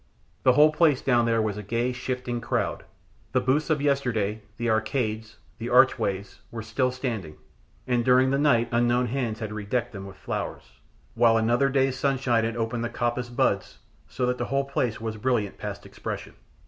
The whole place down there was a gay, shifting crowd. The booths of yesterday, the arcades, the archways, were still standing, and during the night unknown hands had redecked them with flowers, while another day's sunshine had opened the coppice buds so that the whole place was brilliant past expression.